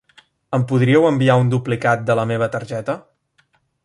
Em podríeu enviar un duplicat de la meva targeta?